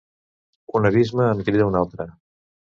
Un abisme en crida un altre.